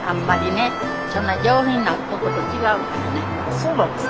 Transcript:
そうなんですか？